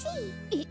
えっ？